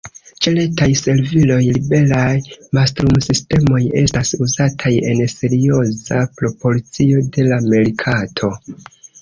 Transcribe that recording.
Ĉe retaj serviloj, liberaj mastrumsistemoj estas uzataj en serioza proporcio de la merkato.